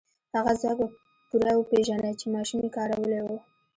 هغه ځواک به پوره وپېژنئ چې ماشومې کارولی و.